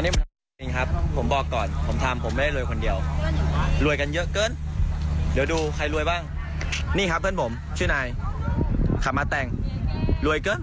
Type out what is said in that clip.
นี่ครับเพื่อนผมชื่อนายขับมาแต่งรวยเกิน